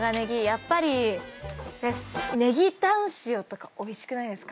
やっぱりねぎタン塩とかおいしくないですか？